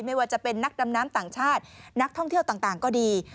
ไม่ว่าจะเป็นนักดำน้ำต่างชาตินักท่องเที่ยวต่างก็ดี